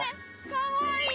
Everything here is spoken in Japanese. かわいい！